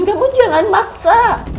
kamu jangan maksa